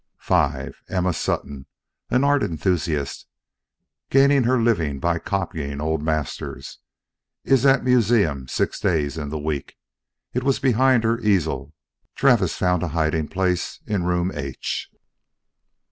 V Emma Sutton, an art enthusiast, gaining her living by copying old masters. Is at museum six days in the week. It was behind her easel Travis found a hiding place in Room H.